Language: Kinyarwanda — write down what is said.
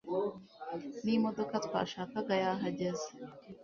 Nimodoka twashakaga yahageze